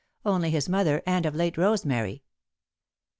Only his mother, and, of late, Rosemary.